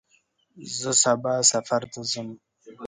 زه سبا سفر ته ځم.